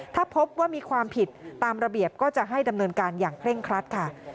ถ้าพบว่ามีความผิดตามระเบียบก็จะให้ดำเนินการอย่างเคร่งครัดค่ะ